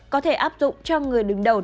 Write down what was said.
có thể áp dụng cho người đứng đầu